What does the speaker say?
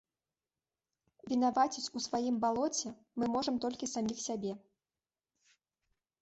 Вінаваціць у сваім балоце мы можам толькі саміх сябе.